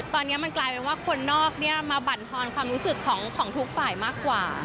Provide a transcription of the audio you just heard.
ตอนนี้มันกลายเป็นว่าคนนอกเนี่ยมาบรรทอนความรู้สึกของทุกฝ่ายมากกว่า